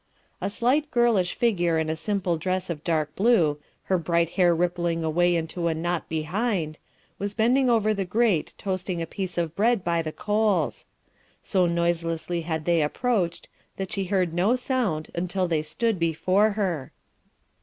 A slight girlish figure in a simple dress of dark blue, her bright hair rippling away into a knot behind, was bending over the grate toasting a piece of bread by the coals. So noiselessly had they approached, that she heard no sound until they stood before her.